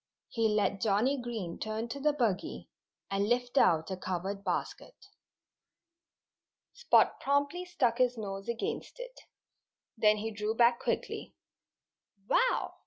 He let Johnnie Green turn to the buggy and lift out a covered basket. Spot promptly stuck his nose against it. Then he drew back quickly. "Wow!"